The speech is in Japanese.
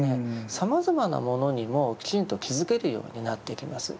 さまざまなものにもきちんと気づけるようになってきます。